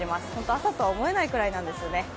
朝とは思えないぐらいなんですね。